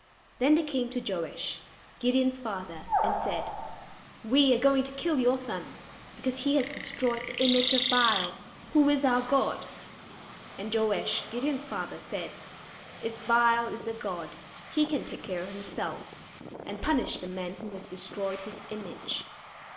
Then they came to Joash, Gideon's father, and said: "We are going to kill your son because he has destroyed the image of Baal, who is our god." And Joash, Gideon's father, said: "If Baal is a god, he can take care of himself, and punish the man who has destroyed his image.